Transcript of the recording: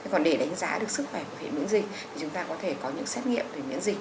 còn để đánh giá được sức khỏe của hệ miễn dịch thì chúng ta có thể có những xét nghiệm về miễn dịch